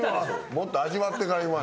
もっと味わってから言わな。